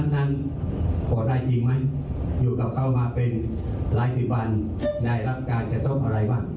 ของพ่อไทยจริงไหมอยู่กับเขามาเป็นหลายปีบันไหนรับการกระโต๊ะอะไรบ้าง